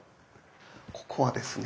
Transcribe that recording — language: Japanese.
ここはですね